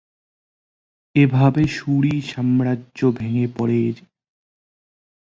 এভাবে সুরি সাম্রাজ্য ভেঙে পড়ে।